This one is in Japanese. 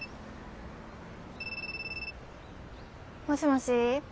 もしもし。